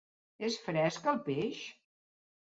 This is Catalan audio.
És fresc, el peix?